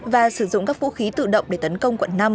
và sử dụng các vũ khí tự động để tấn công quận năm